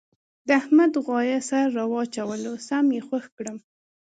د احمد غوایه سر را واچولو سم یې خوږ کړم.